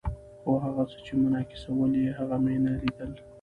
خو هغه څه چې منعکسول یې، هغه مې نه لیدل.